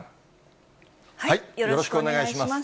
よろしくお願いします。